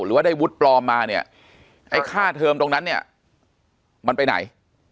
หรือว่าได้วุฒิปลอมมาเนี่ยไอ้ค่าเทอมตรงนั้นเนี่ยมันไปไหน